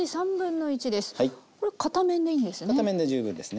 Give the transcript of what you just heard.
これ片面でいいんですね。